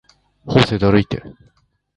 法政だるいて